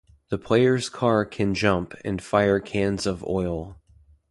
The player's car can jump and fire cans of oil.